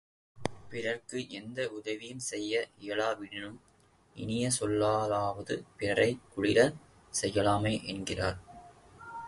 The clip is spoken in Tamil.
பிறர்க்கு எந்த உதவியும் செய்ய இயலாவிடினும், இனிய சொல்லாலாவது பிறரைக் குளிரச் செய்யலாமே என்கிறார்.